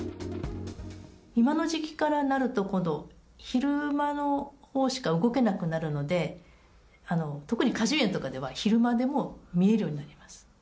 今の時期からになると、今度、昼間のほうしか動けなくなるので、特に果樹園とかでは、昼間でも見えるようになります。